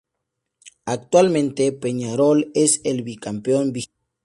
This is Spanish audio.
Actualmente, Peñarol es el bi-campeón vigente.